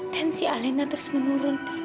tensi alena terus menurun